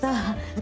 私。